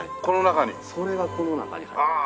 それがこの中に入ってるんですね。